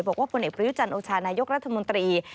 บอกว่าคุณเอกประยุจันทร์โอชาณายกรัฐมนตรี